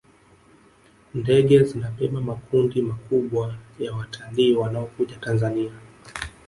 ndege zinabeba makundi makubwa ya watalii wanaokuja tanzania